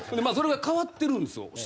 それが変わってるんですよ。